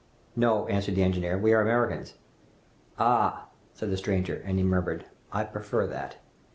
"No," answered the engineer, "we are Americans." "Ah!" said the stranger, and he murmured, "I prefer that!"